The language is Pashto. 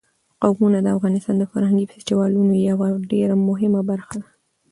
قومونه د افغانستان د فرهنګي فستیوالونو یوه ډېره مهمه برخه ده.